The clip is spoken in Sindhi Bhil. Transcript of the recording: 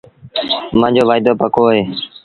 مآݩجو وآئيٚدوپڪو اهي